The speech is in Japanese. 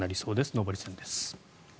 上り線です。